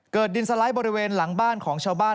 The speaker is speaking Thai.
ดินสไลด์บริเวณหลังบ้านของชาวบ้าน